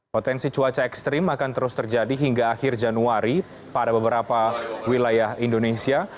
potensi cuaca ekstrim akan terus terjadi hingga akhir januari pada beberapa wilayah indonesia